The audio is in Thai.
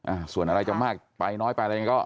อ่าส่วนอะไรจะมากไปน้อยไปยังไงก็